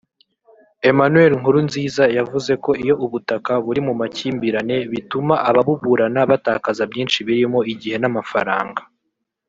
Emmanuel Nkurunziza yavuze ko iyo ubutaka buri mu makimbirane bituma ababuburana batakaza byinshi birimo igihe n’amafaranga